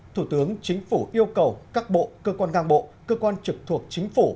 thủ tướng chính phủ yêu cầu các bộ cơ quan ngang bộ cơ quan trực thuộc chính phủ